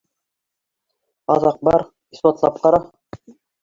Аҙаҡ бар, иҫбатлап ҡара